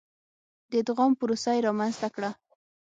د ادغام پروسه یې رامنځته کړه.